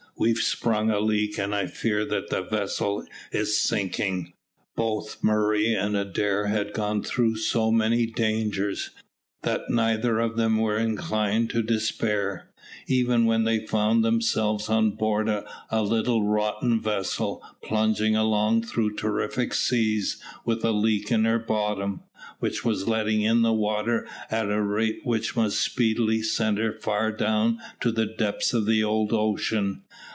We've sprung a leak, and I fear that the vessel is sinking." Both Murray and Adair had gone through so many dangers, that neither of them were inclined to despair, even when they found themselves on board a little rotten vessel, plunging along through terrific seas with a leak in her bottom, which was letting in the water at a rate which must speedily send her far down to the depths of old ocean.